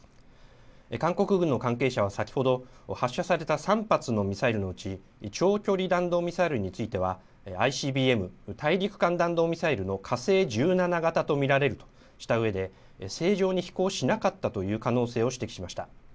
韓国軍の関係者は先ほど発射された３発のミサイルのうち長距離弾道ミサイルについてはＩＣＢＭ・大陸間弾道ミサイルの火星１７型と見られるとしたうえで正常に飛行しなかったという可能性を指摘しました。